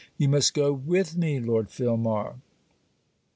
'You must go with me, Lord Filmar.'